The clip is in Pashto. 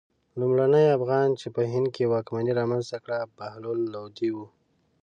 لومړني افغان چې په هند کې واکمني رامنځته کړه بهلول لودی و.